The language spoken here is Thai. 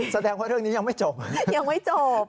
แสดงว่าเรื่องนี้ยังไม่จบยังไม่จบ